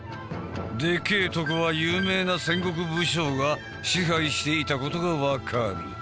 でけえとこは有名な戦国武将が支配していたことが分かる。